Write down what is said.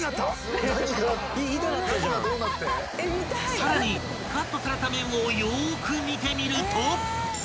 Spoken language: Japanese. ［さらにカットされた麺をよーく見てみると］